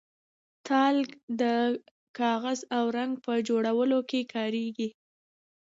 تالک د کاغذ او رنګ په جوړولو کې کاریږي.